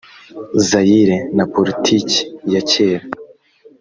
zayire na poritiki ya cyera